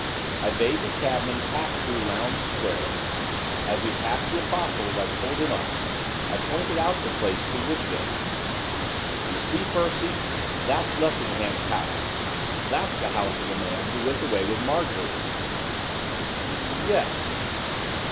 I bade the cabman pass though Lowndes Square. As we passed the Apostle's I pulled him up. I pointed out the place to Woodville. 'You see, Percy, that's Lessingham's house! that's the house of the man who went away with Marjorie!' 'Yes.